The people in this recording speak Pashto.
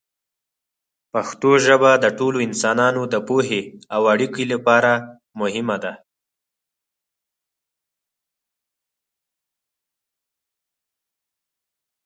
پښتو ژبه د ټولو انسانانو د پوهې او اړیکو لپاره اړینه ده.